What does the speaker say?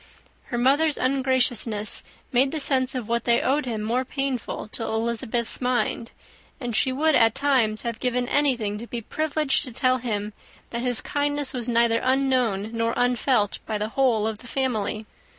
Her mother's ungraciousness made the sense of what they owed him more painful to Elizabeth's mind; and she would, at times, have given anything to be privileged to tell him, that his kindness was neither unknown nor unfelt by the whole of the family.